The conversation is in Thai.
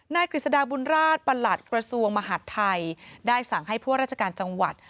กฤษฎาบุญราชประหลัดกระทรวงมหาดไทยได้สั่งให้พวกราชการจังหวัด